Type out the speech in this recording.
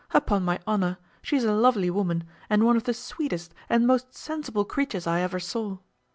Upon my honour, she is a lovely woman, and one of the sweetest and most sensible creatures I ever saw.